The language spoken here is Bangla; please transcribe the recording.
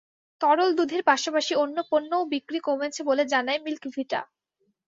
তরল দুধের পাশাপাশি অন্য পণ্য বিক্রিও কমেছে বলে জানায় মিল্ক ভিটা।